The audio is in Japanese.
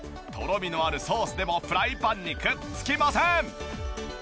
とろみのあるソースでもフライパンにくっつきません！